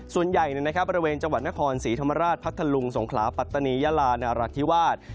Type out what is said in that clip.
ส่วนใหญ่บริเวณจังหวัดนครศรีธรรมราชพัทธลุงสงขลาปัตตานียาลานรัฐธิวาส